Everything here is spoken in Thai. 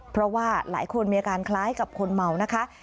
เพราะว่าหลายคนมีอาการคล้ายกับคนเมานะคะ